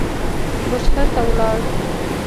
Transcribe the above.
بوشهر ته ولاړ.